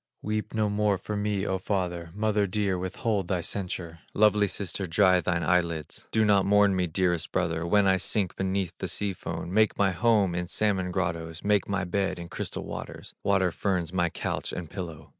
Weep no more for me, O Father, Mother dear, withhold thy censure, Lovely sister, dry thine eyelids, Do not mourn me, dearest brother, When I sink beneath the sea foam, Make my home in salmon grottoes, Make my bed in crystal waters, Water ferns my couch and pillow."